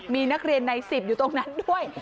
มีนักเรียนใน๑๐อยู่ตรงนั้นด้วย